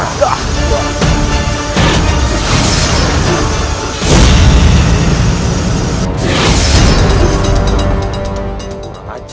aku akan menemukanmu